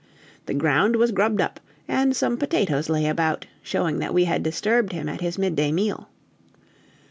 The ground was grubbed up, and some potatoes lay about, showing that we had disturbed him at his midday meal.